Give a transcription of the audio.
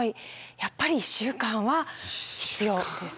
やっぱり１週間は必要。